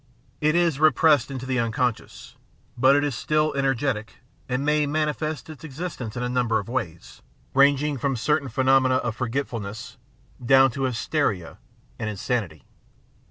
It is repressed into the unconscious, but it is still energetic and may manifest its existence in a number of ways, ranging from certain phenomena of forgetfulness down to 656 The Outline of Science hysteria and insanity.